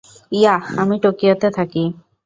Yeah, আমি টোকিওতে থাকি।